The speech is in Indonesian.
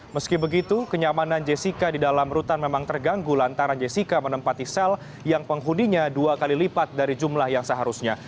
meski begitu kenyamanan jessica di dalam rutan memang terganggu lantaran jessica menempati sel yang penghuninya dua kali lipat dari jumlah yang seharusnya